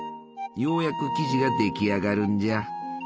ようやく生地が出来上がるんじゃ。